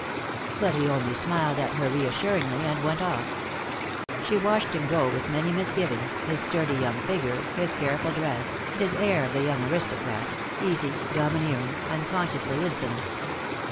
But he only smiled at her reassuringly, and went off. She watched him go with many misgivings, his sturdy young figure, his careful dress, his air of the young aristocrat, easy, domineering, unconsciously insolent.